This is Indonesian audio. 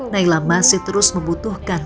naila masih terus membutuhkan